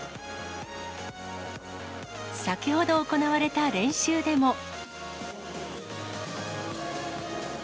先ほど行われた練習でも。